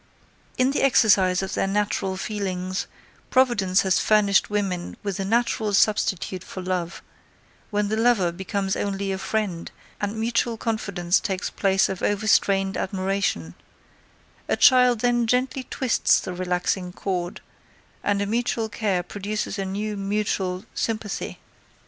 In the exercise of their natural feelings, providence has furnished women with a natural substitute for love, when the lover becomes only a friend and mutual confidence takes place of overstrained admiration a child then gently twists the relaxing cord, and a mutual care produces a new mutual sympathy.